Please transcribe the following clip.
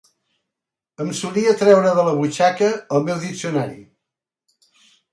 Em solia treure de la butxaca el meu diccionari